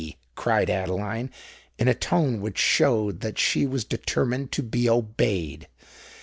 cried Adeline, in a tone which showed that she was determined to be obeyed.